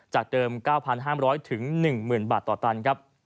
จากเดิม๙๕๐๐๑๐๐๐บาทต่อตันครับ